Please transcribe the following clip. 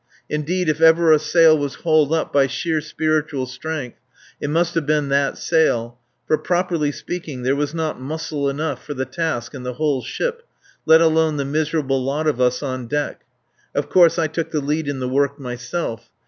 Indeed, if ever a sail was hauled up by sheer spiritual strength it must have been that sail, for, properly speaking, there was not muscle enough for the task in the whole ship let alone the miserable lot of us on deck. Of course, I took the lead in the work myself.